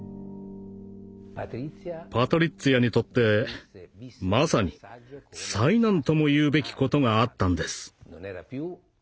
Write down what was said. パトリッツィアにとってまさに災難ともいうべきことがあったんです。